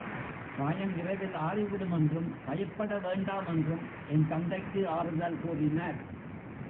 காயம் விரைவில் ஆறிவிடுமென்றும் பயப்பட வேண்டாமென்றும் என் தந்தைக்கு ஆறுதல் கூறினார்.